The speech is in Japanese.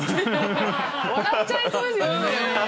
笑っちゃいそうですよね。